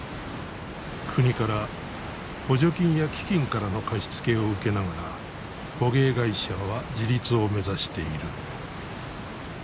国から補助金や基金からの貸し付けを受けながら捕鯨会社は自立を目指している。